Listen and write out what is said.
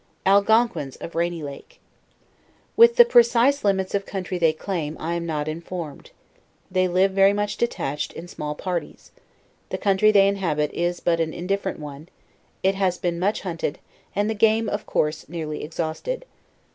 ALCONQIHNS OF RAINY LAKE. With the precise limits of country they claim, I am not informed. They live very much detached, in small parties. The country they inhabit is but an indifferent one; it has bean much hunted, and the game of course nearly exhausted.